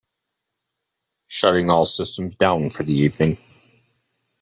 Shutting all systems down for the evening.